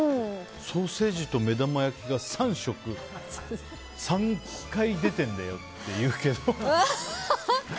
ソーセージと目玉焼きが３食３回出てるんだよって言うけど。